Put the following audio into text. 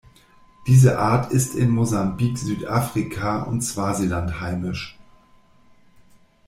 Diese Art ist in Mosambik, Südafrika und Swasiland heimisch.